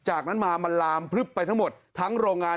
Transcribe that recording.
จากนั้นมามันลามพลึบไปทั้งหมดทั้งโรงงาน